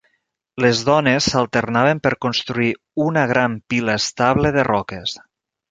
Les dones s'alternaven per construir una gran pila estable de roques.